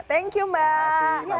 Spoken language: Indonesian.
thank you mbak